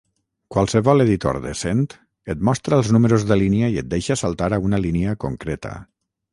Qualsevol editor decent et mostra els números de línia i et deixa saltar a una línia concreta.